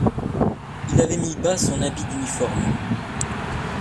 Il avait mis bas son habit d'uniforme.